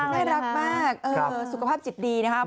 น่ารักมากสุขภาพจิตดีนะครับ